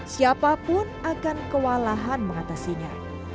siapa pun akan kewalahan mengatasinya